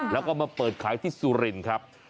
แล้วก็มาเปิดขายที่สุรินทร์ครับ